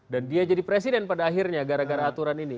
dan dia jadi presiden pada akhirnya gara gara aturan ini